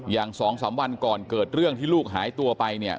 อย่างสองสามวันก่อนเกิดเรื่องที่ลูกหายตัวไปเนี่ย